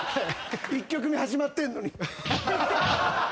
１曲目始まってんのに。